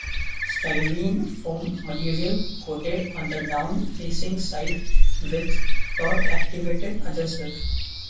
Styrene foam material coated on the down facing side with torque-activated adhesive.